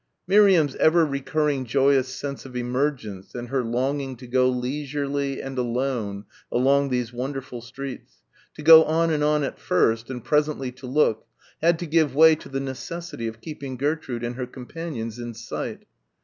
Miriam's ever recurring joyous sense of emergence and her longing to go leisurely and alone along these wonderful streets, to go on and on at first and presently to look, had to give way to the necessity of keeping Gertrude and her companions in sight.